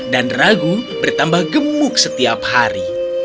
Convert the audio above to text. dan ragu bertambah gemuk setiap hari